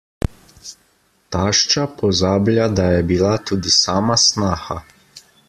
Tašča pozablja, da je bila tudi sama snaha.